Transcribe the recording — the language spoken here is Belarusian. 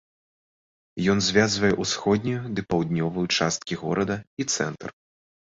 Ён звязвае ўсходнюю ды паўднёвую часткі горада і цэнтр.